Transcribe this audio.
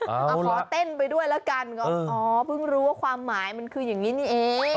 เอาขอเต้นไปด้วยแล้วกันก็อ๋อเพิ่งรู้ว่าความหมายมันคืออย่างนี้นี่เอง